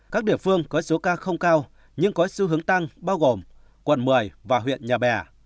các địa phương có số ca không cao nhưng có xu hướng tăng bao gồm quận một mươi và huyện nhà bè